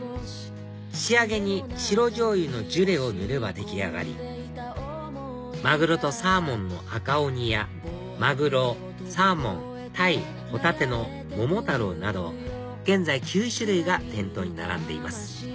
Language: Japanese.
仕上げに白醤油のジュレをぬれば出来上がりマグロとサーモンの「あかおに」やマグロサーモンタイホタテの「ももたろう」など現在９種類が店頭に並んでいます